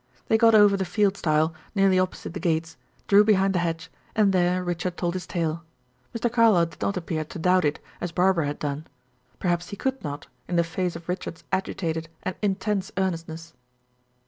They got over the field stile, nearly opposite the gates, drew behind the hedge, and there Richard told his tale. Mr. Carlyle did not appear to doubt it, as Barbara had done; perhaps he could not, in the face of Richard's agitated and intense earnestness.